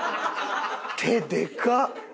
手でかっ！